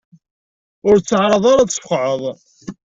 Ur ttεaraḍ ara ad tfeqεeḍ.